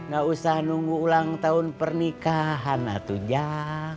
gak usah nunggu ulang tahun pernikahan atu jang